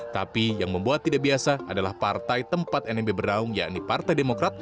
tapi yang membuat tidak biasa adalah partai tempat nmb beraung yakni partai demokrat